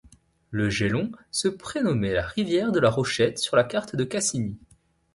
Le Gelon se prénommait la rivière de La Rochette sur la carte de Cassini.